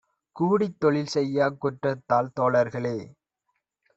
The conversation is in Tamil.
கூடித் தொழில்செய்யாக் குற்றத்தால் தோழர்களே!